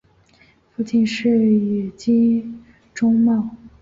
父亲是宇津忠茂。